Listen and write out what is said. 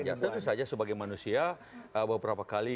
yang tentu saja sebagai manusia beberapa kali